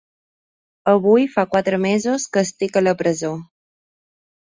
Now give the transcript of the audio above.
Avui fa quatre mesos que estic a la presó.